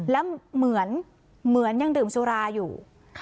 แล้วเหมือนยังดื่มสุราอยู่